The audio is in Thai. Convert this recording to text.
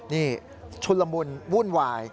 นี่ชุนละมุนวุ่นวาย